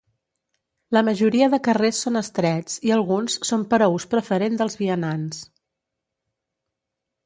La majoria de carrers són estrets i alguns són per a ús preferent dels vianants.